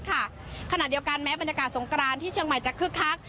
ขณะเดียวกันแม้บรรยากาศสงกรานที่เชียงใหม่จะคึกคัก